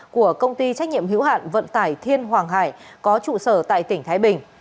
của công ty trách nhiệm hữu hạn vận tải thiên hoàng hải có trụ sở tại tỉnh thái bình